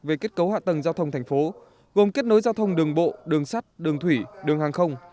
về kết cấu hạ tầng giao thông thành phố gồm kết nối giao thông đường bộ đường sắt đường thủy đường hàng không